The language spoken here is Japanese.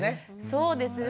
そうですね。